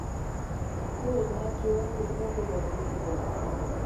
Zure mehatxuek ez naute beldurtuko.